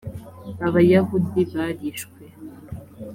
abayahudi barishwe.